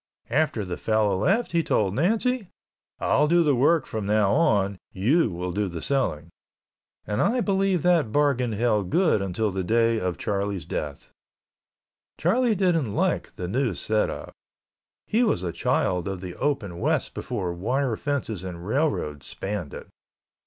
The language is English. After the fellow left he told Nancy, "I'll do the work from now on—you will do the selling," and I believe that bargain held good until the day of Charlie's death. Charlie didn't like the new set up. He was a child of the open West before wire fences and railroads spanned it.